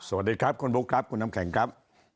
สวัสดีครับคุณบุ๊คครับคุณน้ำแข็งครับ